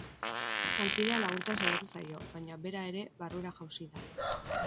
Lankidea laguntzen saiatu zaio, baina bera ere barrura jausi da.